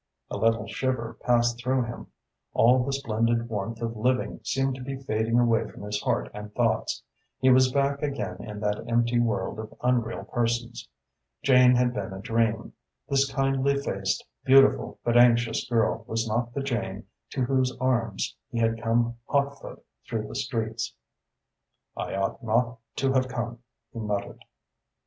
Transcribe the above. A little shiver passed through him. All the splendid warmth of living seemed to be fading away from his heart and thoughts. He was back again in that empty world of unreal persons. Jane had been a dream. This kindly faced, beautiful but anxious girl was not the Jane to whose arms he had come hotfoot through the streets. "I ought not to have come," he muttered.